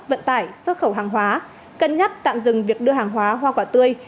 vận tải xuất khẩu hàng hóa cân nhắc tạm dừng việc đưa hàng hóa hoa quả tươi